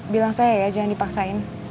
bilang saya ya jangan dipaksain